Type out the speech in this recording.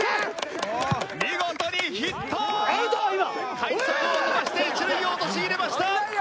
快足を飛ばして一塁を陥れました。